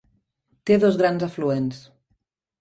Té dos grans afluents.